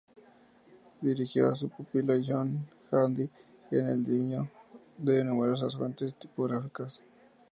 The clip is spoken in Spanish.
Dirigió a su pupilo John Handy en el diseño de numerosas fuentes tipográficas.